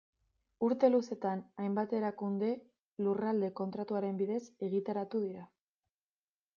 Urte luzetan, hainbat erakunde Lurralde Kontratuaren bidez egituratu dira.